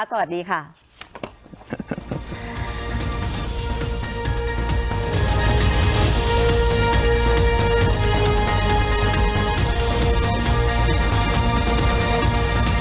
โปรดติดตามตอนต่อไป